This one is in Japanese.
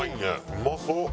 うまそう！